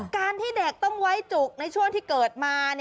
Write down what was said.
การที่เด็กต้องไว้จุกในช่วงที่เกิดมา